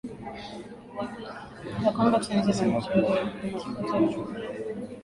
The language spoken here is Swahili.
ya kwamba tenzi na mashairi vinafuata muundo